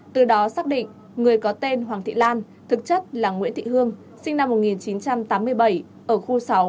từ đó xác định người có tên hoàng thị lan thực chất là nguyễn thị hương sinh năm một nghìn chín trăm tám mươi bảy ở khu sáu xã cao xá huyện lâm thao tỉnh phú thọ